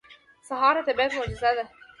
سهار د طبیعت معجزه ده.